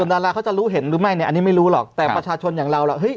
ดาราเขาจะรู้เห็นหรือไม่อันนี้ไม่รู้หรอกแต่ประชาชนอย่างเรา